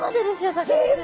さかなクン。